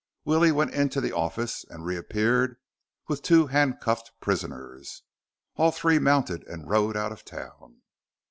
Willie went into the office and reappeared with two handcuffed prisoners. All three mounted and rode out of town.